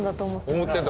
思ってた。